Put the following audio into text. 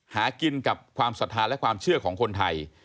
หากินกับความศรัทธาและความเชื่อของคนไทย